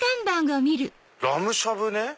ラムしゃぶね。